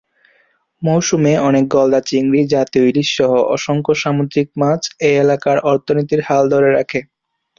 মৌসুমে অনেক গলদা চিংড়ি, জাতীয় ইলিশ সহ অসংখ্য সামুদ্রিক মাছ এই এলাকার অর্থনীতির হাল ধরে রাখে।